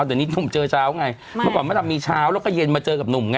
เดี๋ยวนี้หนุ่มเจอเช้าไงเมื่อก่อนมดำมีเช้าแล้วก็เย็นมาเจอกับหนุ่มไง